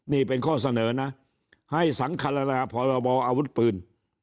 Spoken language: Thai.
นี่เป็นข้อเสนอนะให้สังฆราพรบออาวุธปืน